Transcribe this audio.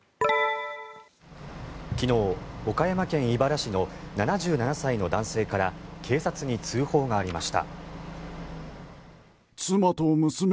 昨日、岡山県井原市の７７歳の男性から警察に通報がありました。